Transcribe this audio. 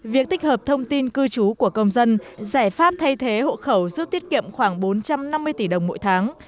việc tích hợp thông tin cư trú của công dân giải pháp thay thế hộ khẩu giúp tiết kiệm khoảng bốn trăm năm mươi tỷ đồng mỗi tháng